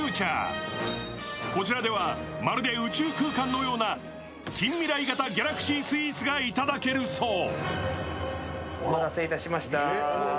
こちらではまるで宇宙空間のような近未来型ギャラクシースイーツが味わえるそう。